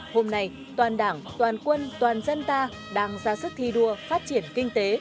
hôm nay toàn đảng toàn quân toàn dân ta đang ra sức thi đua phát triển kinh tế